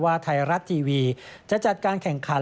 ไทยรัฐทีวีจะจัดการแข่งขัน